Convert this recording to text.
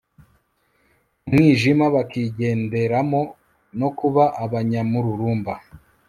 mu mwijima bakigenderamo no kuba abanyamururumba